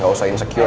gak usah insecure